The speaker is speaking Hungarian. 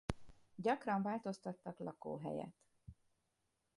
Gyakran változtattak lakóhelyet.